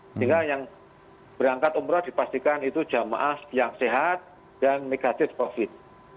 sehingga yang berangkat umroh dipastikan itu jamaah yang sehat dan negatif covid